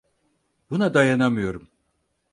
Buna dayanamıyorum.